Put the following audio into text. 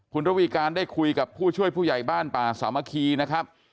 คุณระวีการได้คุยกับผู้ช่วยผู้ใหญ่บ้านป่าสามัคคีนะครับ